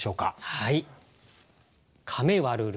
はい。